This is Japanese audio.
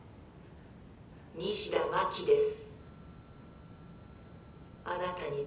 西田真紀です。